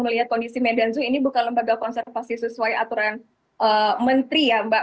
melihat kondisi medan zoo ini bukan lembaga konservasi sesuai aturan menteri ya mbak